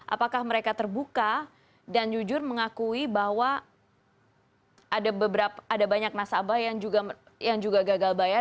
apakah mereka terbuka dan jujur mengakui bahwa ada banyak nasabah yang juga gagal bayar